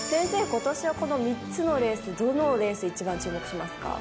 今年はこの３つのレースどのレース一番注目しますか？